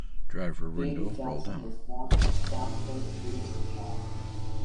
David Jackson was born in Stamford, Lincolnshire.